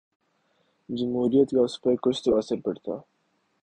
جمہوریت کا اس پہ کچھ تو اثر پڑتا۔